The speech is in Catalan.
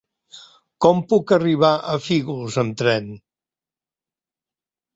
Com puc arribar a Fígols amb tren?